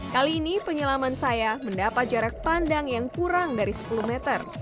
kali ini penyelaman saya mendapat jarak pandang yang kurang dari sepuluh meter